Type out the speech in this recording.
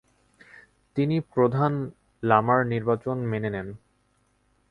তিনি প্রধান লামার নির্বাচন মেনে নেন।